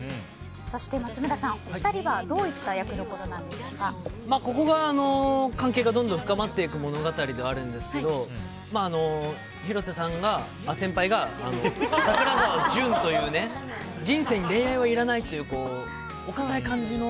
そして、松村さんお二人はどういったここが関係がどんどん深まっていく物語ではあるんですけど広瀬さんがあ、先輩が桜沢純という人生に恋愛はいらないという感じの。